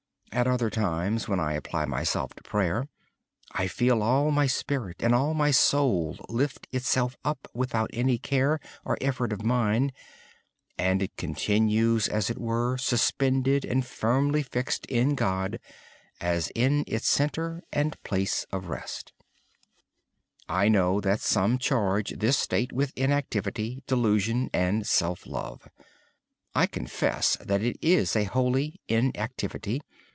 At other times, when I apply myself to prayer, I feel all my spirit lifted up without any care or effort on my part. This often continues as if it was suspended yet firmly fixed in God like a center or place of rest. I know that some charge this state with inactivity, delusion, and self love. I confess that it is a holy inactivity.